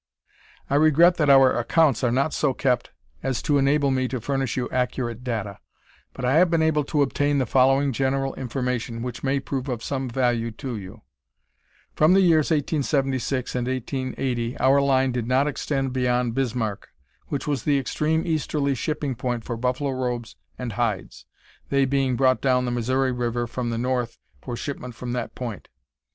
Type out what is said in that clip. "I regret that our accounts are not so kept as to enable me to furnish you accurate data; but I have been able to obtain the following general information, which may prove of some value to you: "From the years 1876 and 1880 our line did not extend beyond Bismarck, which was the extreme easterly shipping point for buffalo robes and hides, they being brought down the Missouri River from the north for shipment from that point.